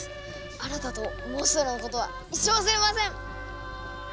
あなたとモンストロのことは一生忘れません！